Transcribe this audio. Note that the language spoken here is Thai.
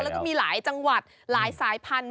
แล้วก็มีหลายจังหวัดหลายสายพันธุ